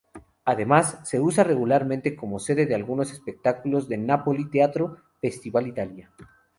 Además, se usa regularmente como sede de algunos espectáculos del Napoli Teatro Festival Italia.